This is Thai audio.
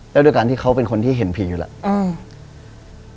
แล้วด้วยการที่เขาเป็นคนที่เห็นผีอยู่แล้ว